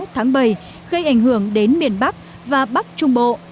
tháng bảy gây ảnh hưởng đến miền bắc và bắc trung bộ